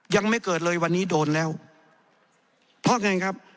ยังไม่เกิดเลยวันนี้โดนแล้วเพราะไงครับ